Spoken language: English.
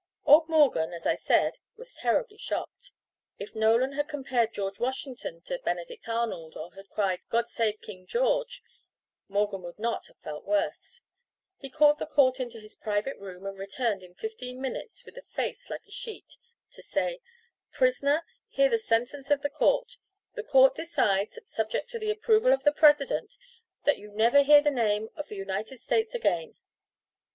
Old Morgan, as I said, was terribly shocked. If Nolan had compared George Washington to Benedict Arnold, or had cried, "God save King George," Morgan would not have felt worse. He called the court into his private room, and returned in fifteen minutes, with a face like a sheet, to say: "Prisoner, hear the sentence of the Court! The Court decides, subject to the approval of the President, that you never hear the name of the United States again."